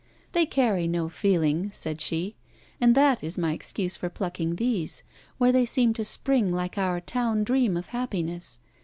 'They carry no feeling,' said she. 'And that is my excuse for plucking these, where they seem to spring like our town dream of happiness.